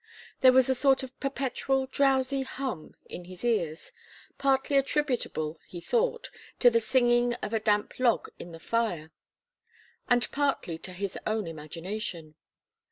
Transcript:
There was a sort of perpetual drowsy hum in his ears, partly attributable, he thought, to the singing of a damp log in the fire, and partly to his own imagination.